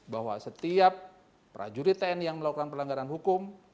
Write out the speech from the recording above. bahwa setiap prajurit tni yang melakukan pelanggaran hukum